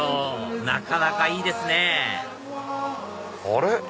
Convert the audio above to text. なかなかいいですねあれ？